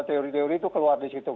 teori teori itu keluar di situ